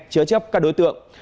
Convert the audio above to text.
chớ chấp các đối tượng